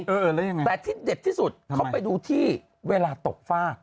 เออแล้วยังไงแต่ที่เด็ดที่สุดเขาไปดูที่เวลาตกฟาก